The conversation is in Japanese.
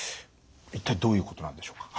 一体どういうことなんでしょうか？